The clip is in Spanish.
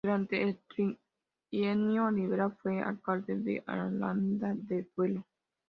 Durante el Trienio Liberal fue alcalde de Aranda de Duero.